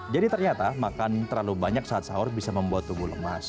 jadi ternyata makan terlalu banyak saat sahur bisa membuat tubuh lemas